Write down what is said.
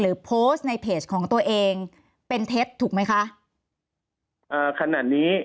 หรือโพสต์ในเพจของตัวเองเป็นเท็จถูกไหมคะ